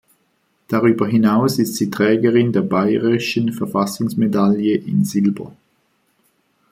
Darüber hinaus ist sie Trägerin der Bayerischen Verfassungsmedaille in Silber.